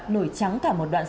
nổi trắng cả một đoạn sáng